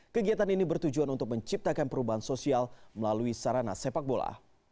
kegiatan ini bertujuan untuk menciptakan perubahan sosial melalui sarana sepak bola